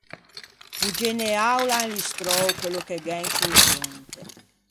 O geneâ o l’à illustrou quello che gh’é in sciô fronte.